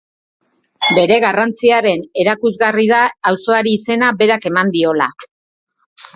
Bere garrantziaren erakusgarri da auzoari izena berak eman diola.